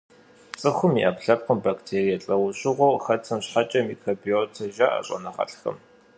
Цӏыхум и ӏэпкълъэпкъым бактерие лӏэужьыгъуэу хэтым щхьэкӏэ микробиотэ жаӏэ щӏэныгъэлӏхэм.